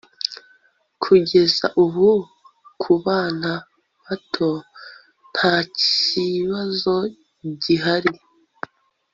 kugeza ubu ku bana bato ntacyibazo gihari